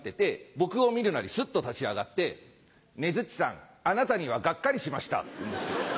僕を見るなりスッと立ち上がって「ねづっちさんあなたにはがっかりしました」って言うんですよ。